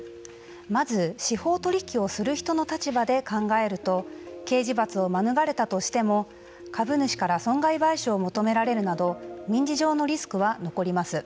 まず、司法取引をする人の立場で考えると刑事罰を免れたとしても株主から損害賠償を求められるなど民事上のリスクは残ります。